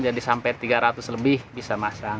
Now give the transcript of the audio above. jadi sampai tiga ratus lebih bisa masang